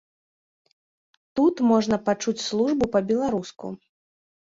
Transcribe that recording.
Тут можна пачуць службу па-беларуску.